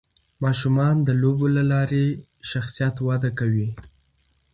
ماشومان د لوبو له لارې شخصیت وده کوي.